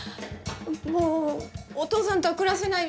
もうお父さんとは暮らせない。